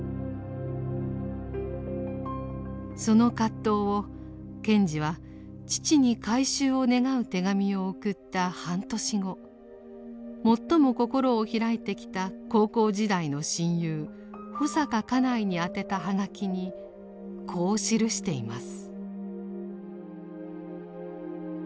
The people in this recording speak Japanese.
その葛藤を賢治は父に改宗を願う手紙を送った半年後最も心を開いてきた高校時代の親友保阪嘉内に宛てた葉書にこう記しています。